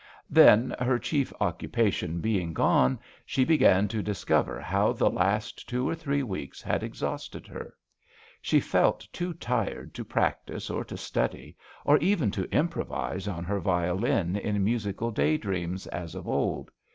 Then, her chief occupation being gone, she began to discover how the last two or three weeks had exhausted her. She felt too tired to practise or to THE VIOLIN OBBLIGATO. 9 1 study, or even to improvise on her violin in musical day dreams as of old.